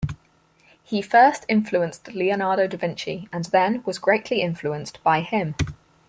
He first influenced Leonardo da Vinci and then was greatly influenced by him.